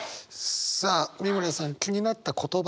さあ美村さん気になった言葉。